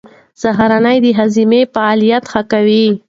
سهارنۍ د هاضمې فعالیت ښه کوي.